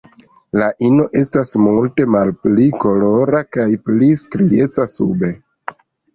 La ino estas multe malpli kolora kaj pli strieca sube.